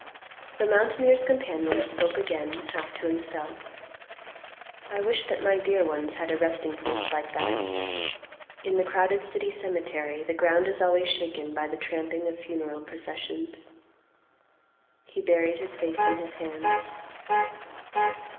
The mountaineer's companion spoke again half to himself; "I wish that my dear ones had a resting place like that. In the crowded city cemetery the ground is always shaken by the tramping of funeral professions." He buried his face in his hands.